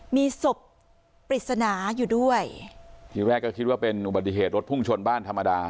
มีศพปริศนาอยู่ด้วยทีแรกก็คิดว่าเป็นอุบัติเหตุรถพุ่งชนบ้านธรรมดา